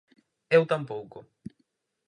Eu tampouco.